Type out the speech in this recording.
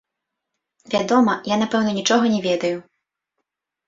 Вядома, я напэўна нічога не ведаю.